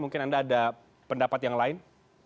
mungkin anda ada pendapat yang lain